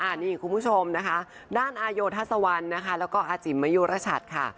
อันนี้คุณผู้ชมนะคะด้านอาโยธาสวรรค์แล้วก็อาจิมมยุรชัตริย์ค่ะ